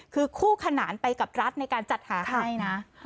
คือคู่ขนานไปกับรัฐในการจัดหาให้นะ